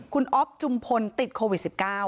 คุณอ๊อฟจุมพลติดโควิด๑๙